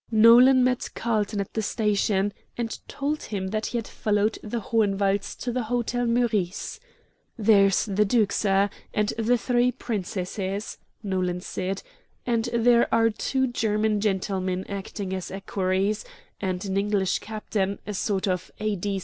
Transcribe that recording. Nolan met Carlton at the station, and told him that he had followed the Hohenwalds to the Hotel Meurice. "There is the Duke, sir, and the three Princesses," Nolan said, "and there are two German gentlemen acting as equerries, and an English captain, a sort of A.